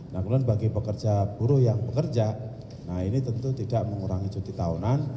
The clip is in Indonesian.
nah kemudian bagi pekerja buruh yang bekerja nah ini tentu tidak mengurangi cuti tahunan